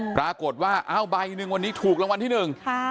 ปรากฏว่าอ้าวใบหนึ่งวันนี้ถูกรางวัลที่หนึ่ง